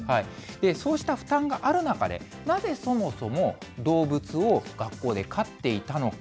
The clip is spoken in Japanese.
そうした負担がある中で、なぜそもそも動物を学校で飼っていたのか。